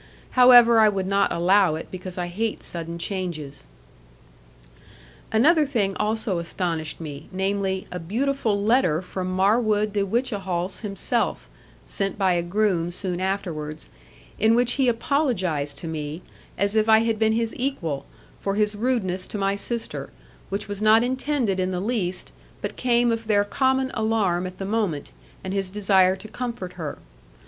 However, I would not allow it, because I hate sudden changes. Another thing also astonished me namely, a beautiful letter from Marwood de Whichehalse himself (sent by a groom soon afterwards), in which he apologised to me, as if I had been his equal, for his rudeness to my sister, which was not intended in the least, but came of their common alarm at the moment, and his desire to comfort her.